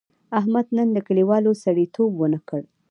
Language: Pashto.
احمد نن له کلیوالو سړیتیوب و نه کړ.